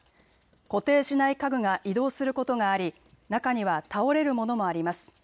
固定しない家具が移動することがあり中には倒れるものもあります。